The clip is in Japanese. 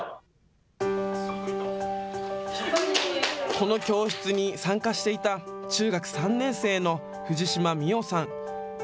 この教室に参加していた中学３年生の藤嶋心桜さん。